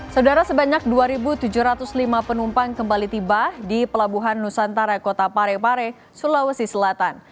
saudara sebanyak dua tujuh ratus lima penumpang kembali tiba di pelabuhan nusantara kota parepare sulawesi selatan